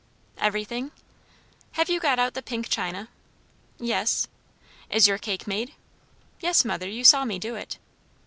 "Everything." "Have you got out the pink china?" "Yes." "Is your cake made?" "Yes, mother; you saw me do it."